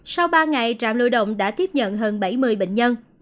sau ba ngày trạm lưu động đã tiếp nhận hơn bảy mươi bệnh nhân